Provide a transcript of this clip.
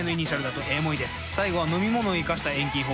最後は飲み物をいかした遠近法。